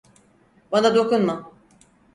Bana dokunma!